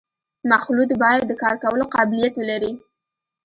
مخلوط باید د کار کولو قابلیت ولري